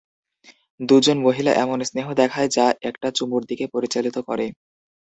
দুজন মহিলা এমন স্নেহ দেখায়, যা একটা চুমুর দিকে পরিচালিত করে।